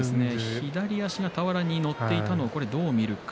左足が俵に乗っていたのをどう見るか。